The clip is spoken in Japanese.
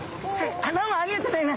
あっどうもありがとうギョざいます。